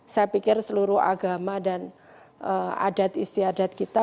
saya pikir seluruh agama dan adat istiadat kita